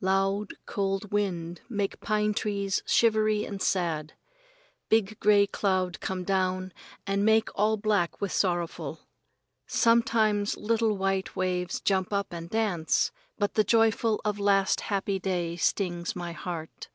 Loud cold wind make pine trees shivery and sad. Big gray cloud come down and make all black with sorrowful. Sometimes little white waves jump up and dance, but the joyful of last happy day stings my heart.